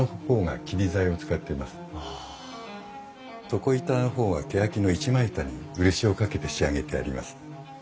床板の方はけやきの一枚板に漆をかけて仕上げてあります。